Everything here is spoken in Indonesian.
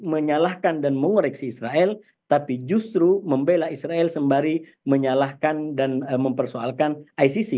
menyalahkan dan mengoreksi israel tapi justru membela israel sembari menyalahkan dan mempersoalkan icc